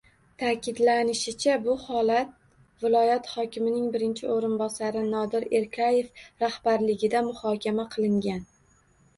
Ta’kidlanishicha, bu holat viloyat hokimining birinchi o‘rinbosari Nodir Erkayev rahbarligida muhokama qilingan